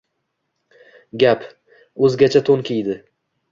Gap... o‘zgacha to‘n kiydi: